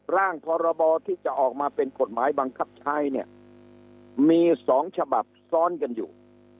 ร่างพรบที่จะออกมาเป็นกฎหมายบังคับใช้เนี่ยมี๒ฉบับซ้อนกันอยู่